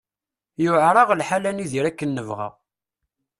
Yuɛer-aɣ lḥal ad nidir akken nebɣa.